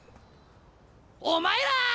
お前ら！